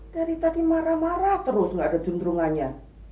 dari tadi marah marah terus nggak ada junderungannya